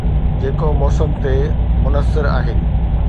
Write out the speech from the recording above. جيڪو موسم تي منحصر آهي.